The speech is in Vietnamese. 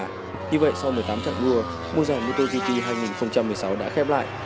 như vậy sau một mươi tám trận đua mùa giải motogp hai nghìn một mươi sáu đã khép lại